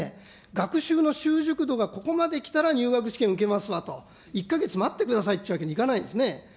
学習の習熟度がここまで来たら入学試験受けますわと、１か月待ってくださいっていうわけにはいかないんですね。